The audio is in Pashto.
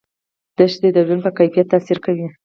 دښتې د ژوند په کیفیت تاثیر کوي.